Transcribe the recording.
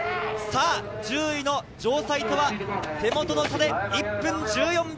１０位の城西とは手元の時計で１分１４秒。